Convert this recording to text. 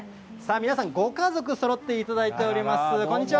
皆さん、ご家族そろっていただいております、こんにちは。